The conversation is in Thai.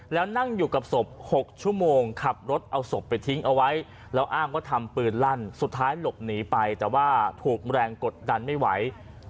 แล้วนั่งอยู่กับศพ๖ชั่วโมงขับรถเอาศพไปทิ้งเอาไว้แล้วอ้างก็ทำปืนลั่นสุดท้ายหลบหนีไป